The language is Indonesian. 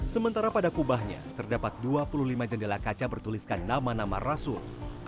sementara pada kubahnya terdapat dua puluh lima jendela kaca bertuliskan nama nama rasul